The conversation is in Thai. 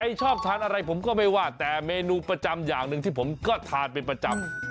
ชอบทานอะไรผมก็ไม่ว่าแต่เมนูประจำอย่างหนึ่งที่ผมก็ทานเป็นประจำ